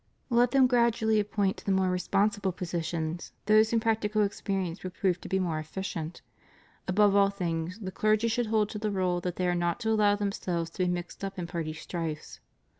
Let them gradually appoint to the more responsible positions those whom practical experience will prove to be more efficient. Above all things, the clergy should hold to the rule that they are not to allow themselves to be mixed up in party strifes.